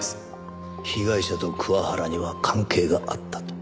被害者と桑原には関係があったと。